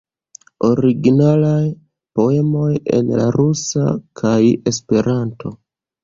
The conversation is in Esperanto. Originalaj poemoj en la rusa kaj Esperanto.